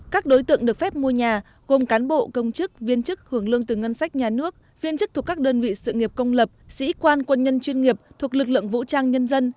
các đối tượng được phép mua nhà gồm cán bộ công chức viên chức hưởng lương từ ngân sách nhà nước viên chức thuộc các đơn vị sự nghiệp công lập sĩ quan quân nhân chuyên nghiệp thuộc lực lượng vũ trang nhân dân